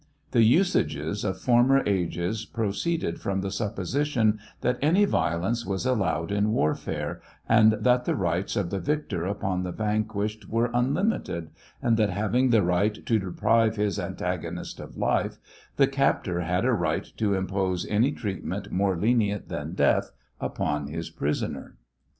The usages of former' ages proceeded upon the supposition that any violence was allowed in war fare and that the rights of the victor upon the vanquished were unlimited,' and that having the right to deprive his antagonist of life, the captor had a right to impose any treatment Inore lenient than death upon his prisoner.